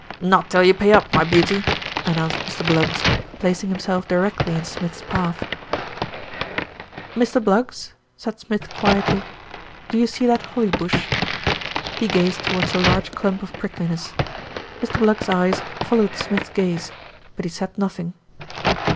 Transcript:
"Not till you pay up, my beauty," announced Mr. Bluggs, placing himself directly in Smith's path. "Mr. Bluggs," said Smith quietly, "do you see that holly bush ?" He gazed towards a large clump of prick liness. Mr. Bluggs's eyes followed Smith's gaze; but he said nothing.